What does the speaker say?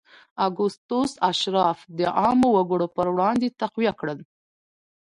اګوستوس اشراف د عامو وګړو پر وړاندې تقویه کړل.